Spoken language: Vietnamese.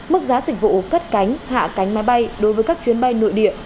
mức giá dịch vụ cất cánh hạ cánh máy bay đối với các chuyến bay nội địa